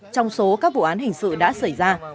trong số các vụ án hình sự đã xảy ra